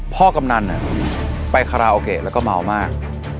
กำนันไปคาราโอเกะแล้วก็เมามาก